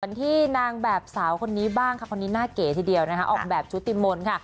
ที่นางแบบสาวคนนี้บ้างค่ะคนนี้หน้าเก๋ทีเดียวนะคะออกแบบชุติมนต์ค่ะ